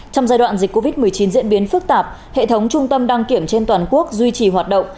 trong giai đoạn dịch covid một mươi chín diễn biến phức tạp hệ thống trung tâm đăng kiểm trên toàn quốc duy trì hoạt động